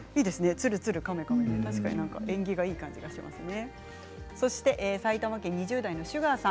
つるつる、かめかめ縁起がいい感じがしますね。